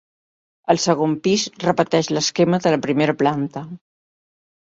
El segon pis repeteix l'esquema de la primera planta.